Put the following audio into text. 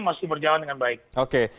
masih berjalan dengan baik oke